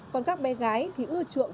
còn các bé gái thì ưa chuộng